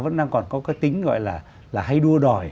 vẫn đang còn có cái tính gọi là hay đua đòi